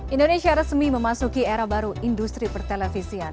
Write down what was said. indonesia resmi memasuki era baru industri pertelevisian